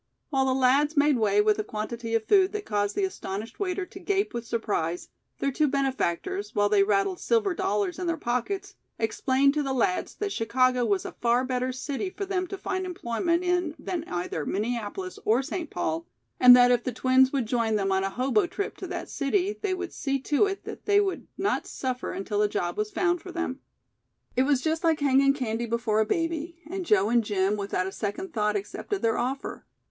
While the lads made away with a quantity of food that caused the astonished waiter to gape with surprise, their two benefactors, while they rattled silver dollars in their pockets, explained to the lads that Chicago was a far better city for them to find employment in than either Minneapolis or St. Paul, and that if the twins would join them on a hobo trip to that city they would see to it that they would not suffer until a job was found for them. It was just like hanging candy before a baby, and Joe and Jim without a second thought accepted their offer.